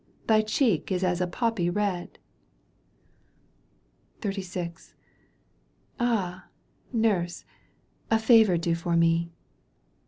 Thy cheek is as a poppy red !" \J XXXVI. " Ah ! nurse, a favour do for me